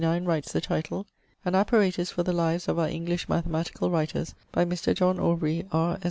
69, writes the title: 'An Apparatus for the lives of our English mathematical writers by Mr. John Aubrey, R.